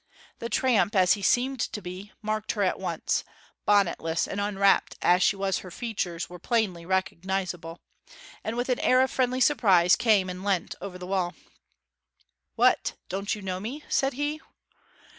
The tramp, as he seemed to be, marked her at once bonnetless and unwrapped as she was her features were plainly recognizable and with an air of friendly surprise came and leant over the wall. 'What! don't you know me?' said he.